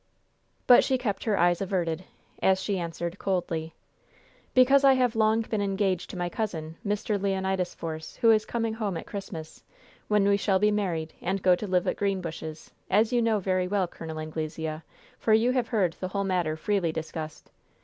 But she kept her eyes averted, as she answered, coldly: "Because I have long been engaged to my cousin, Mr. Leonidas Force, who is coming home at Christmas, when we shall be married and go to live at Greenbushes, as you know very well, Col. Anglesea, for you have heard the whole matter freely discussed.